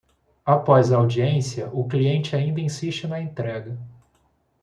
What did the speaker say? Após a audiência, o cliente ainda insiste na entrega.